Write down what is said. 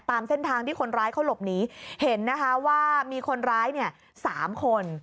ตามเส้นทางที่คนร้ายเขาหลบหนีเห็นนะคะว่ามีคนร้ายเนี่ย๓คน